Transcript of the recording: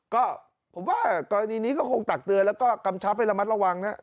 ก็ผมว่ากรณีนี้ก็คงตักเตือนแล้วก็กำชับให้ระมัดระวังนะครับ